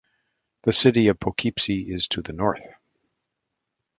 The city of Poughkeepsie is to the north.